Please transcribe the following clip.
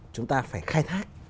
chúng ta phải khai thác